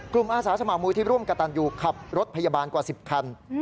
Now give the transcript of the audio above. อาสาสมัครมูลที่ร่วมกระตันยูขับรถพยาบาลกว่า๑๐คัน